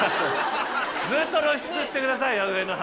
ずっと露出してくださいよ上の歯。